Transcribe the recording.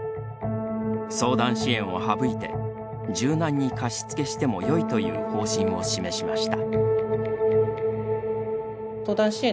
相談支援を省いて柔軟に貸付してもよいという方針を示しました。